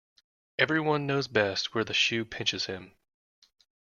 Every one knows best where the shoe pinches him.